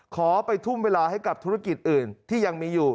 ขอไปทุ่มเวลาให้กับธุรกิจอื่นที่ยังมีอยู่